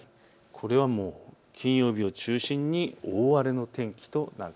これは金曜日を中心に大荒れの天気となる。